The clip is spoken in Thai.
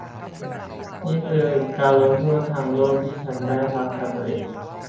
นี่คือการลงโทษทางโลกที่ฉันได้ทำกับตัวเอง